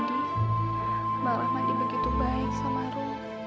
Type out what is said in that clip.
bang rahmadi begitu baik sama rum